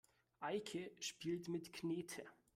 Eike spielt mit Knete.